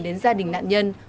đến gia đình nạn nhân